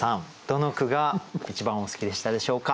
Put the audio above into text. どの句が一番お好きでしたでしょうか。